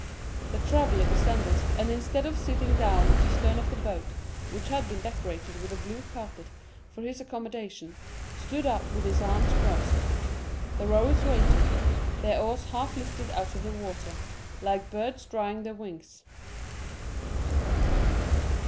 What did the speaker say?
The traveller descended, and instead of sitting down at the stern of the boat, which had been decorated with a blue carpet for his accommodation, stood up with his arms crossed. The rowers waited, their oars half lifted out of the water, like birds drying their wings.